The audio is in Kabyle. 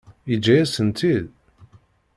Yeǧǧa-yasen-tt-id?